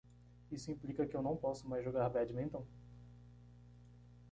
Isso implica que eu não posso mais jogar badminton?